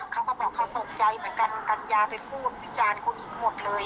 เขาก็บอกเขาตกใจเหมือนกันกัญญาไปพูดวิจารณ์เขาขี้หมดเลย